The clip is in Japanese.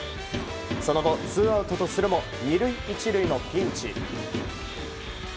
その後ツーアウトとするも２塁１塁のピンチ。